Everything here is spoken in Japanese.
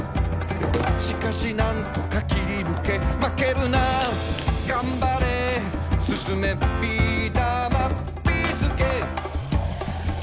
「しかしなんとかきりぬけ」「まけるながんばれ」「進めビーだまビーすけ！」